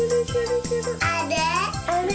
あれ？